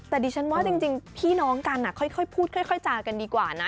แต่ดิฉันว่าจริงพี่น้องกันค่อยพูดค่อยจากันดีกว่านะ